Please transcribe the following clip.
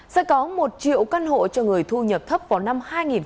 sẽ có một triệu căn hộ cho người thu nhập thấp vào năm hai nghìn hai mươi